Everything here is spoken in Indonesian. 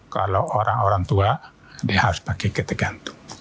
kalau orang orang tua dia harus pakai kita gantung